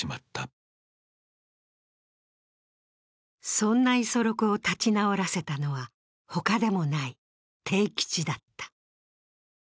そんな五十六を立ち直らせたのは、ほかでもない悌吉だった。